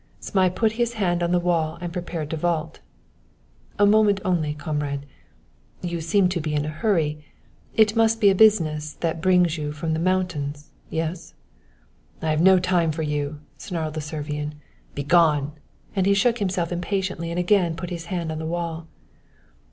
Zmai put his hand on the wall and prepared to vault. "A moment only, comrade. You seem to be in a hurry; it must be a business that brings you from the mountains yes?" "I have no time for you," snarled the Servian. "Be gone!" and he shook himself impatiently and again put his hand on the wall.